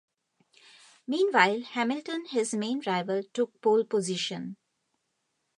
Meanwhile, Hamilton, his main rival took pole position.